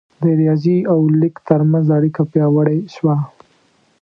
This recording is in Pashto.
د ریاضي او لیک ترمنځ اړیکه پیاوړې شوه.